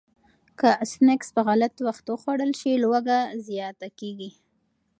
که سنکس په غلط وخت وخوړل شي، لوږه زیاته کېږي.